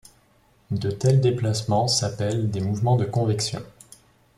De tels déplacements s'appellent des mouvements de convection.